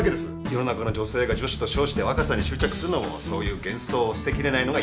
世の中の女性が女子と称して若さに執着するのもそういう幻想を捨てきれないのが一因でしょう。